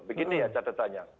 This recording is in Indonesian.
begini ya catatannya